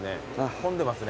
混んでますね。